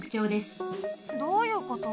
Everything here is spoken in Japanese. どういうこと？